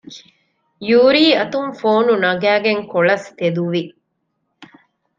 ޔޫރީ އަތުން ފޯނު ނަގައިގެން ކޮޅަސް ތެދުވި